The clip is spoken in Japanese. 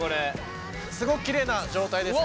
すごくきれいな状態ですね。